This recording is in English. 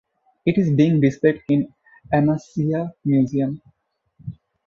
It is being displayed in Amasya Museum.